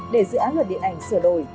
để dự án luật điện ảnh sửa đổi